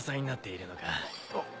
あっ。